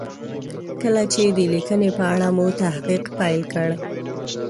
کله چې د لیکنې په اړه مې تحقیق پیل کړ.